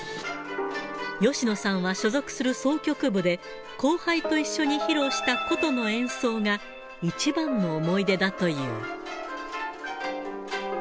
吉野さんは所属する箏曲部で、後輩と一緒に披露した箏の演奏が一番の思い出だという。